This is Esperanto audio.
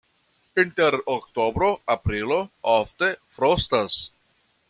Inter oktobro-aprilo ofte frostas.